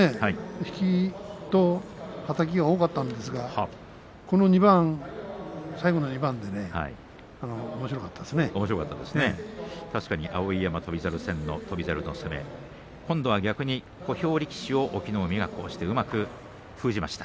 引きとはたきが多かったんですがこの２番、最後の２番でね碧山、翔猿戦の翔猿の攻め今度は逆に小兵力士を隠岐の海がうまく封じました。